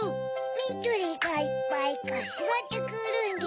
みどりがいっぱいかしわでくるんで